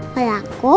kata papa aku boleh kok